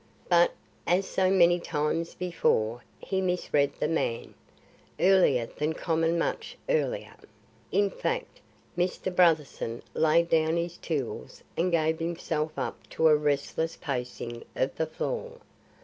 But, as so many times before, he misread the man. Earlier than common much earlier, in fact, Mr. Brotherson laid down his tools and gave himself up to a restless pacing of the floor.